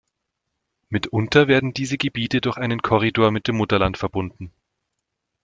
Mitunter werden diese Gebiete durch einen Korridor mit dem Mutterland verbunden.